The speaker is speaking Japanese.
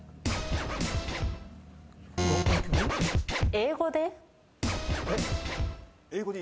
英語で？